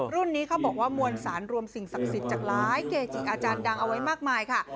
รุ่นนี้เขาบอกว่ามวลสารรวมสิ่งศักดิ์สิทธิ์จากหลายเกจิอาจารย์ดังเอาไว้มากมายค่ะ